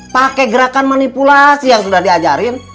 pakai gerakan manipulasi yang sudah diajarin